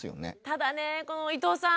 ただねこの伊藤さん。